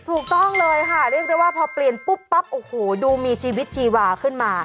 ถูกต้องเลยค่ะเรียกได้ว่าพอเปลี่ยนปุ๊บปั๊บโอ้โหดูมีชีวิตชีวาขึ้นมา